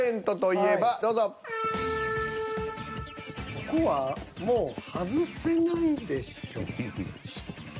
ここはもう外せないでしょ。